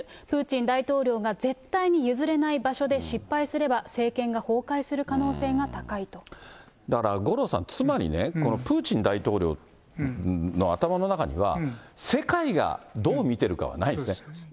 プーチン大統領が絶対に譲れない場所で失敗すれば、政権が崩壊すだから五郎さん、つまりね、このプーチン大統領の頭の中には、世界がどう見てるかはないんですね。